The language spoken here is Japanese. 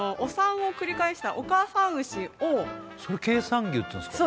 これそれ経産牛っていうんすか？